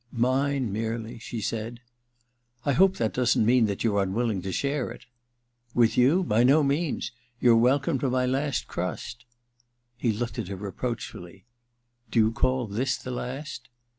* Mine, merely,' she said. *I hope that doesn't mean that you're im willing to share it ?'* W ith you ? By no means. You're welcome to my last crust.' He looked at her reproachfully. *Do you call this the last